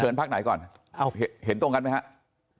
เชิญภาคไหนก่อนเห็นตรงกันไหมครับ